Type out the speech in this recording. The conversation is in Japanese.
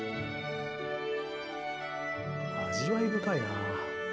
味わい深いなあ。